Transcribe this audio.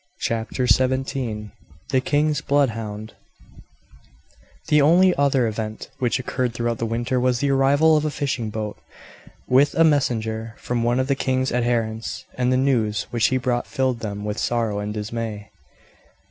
Chapter XVII The King's Blood Hound The only other event which occurred throughout the winter was the arrival of a fishing boat with a messenger from one of the king's adherents, and the news which he brought filled them with sorrow and dismay.